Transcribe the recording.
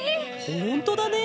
ほんとだね。